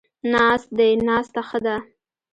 ناست دی، ناسته ښه ده